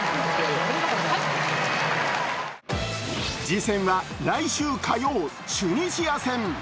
次戦は来週火曜、チュニジア戦。